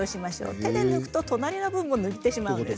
手で抜くと隣の分も抜いてしまいます。